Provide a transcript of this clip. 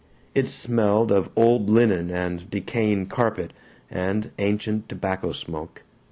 It smelled of old linen and decaying carpet and ancient tobacco smoke.